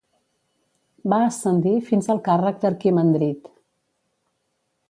Va ascendir fins al càrrec d'Arquimandrit.